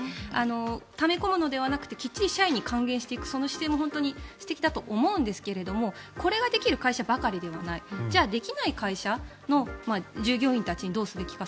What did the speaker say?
ため込むのではなく、きっちり社員に還元していく姿勢も素敵だと思いますがこれができる会社ばかりではないじゃあ、できない会社の従業員たちにどうすべきか。